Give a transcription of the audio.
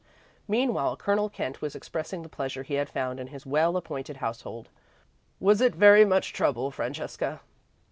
Meanwhile Colonel Kent was expressing the pleasure he had found in his well appointed household. "Was it very much trouble, Francesca?"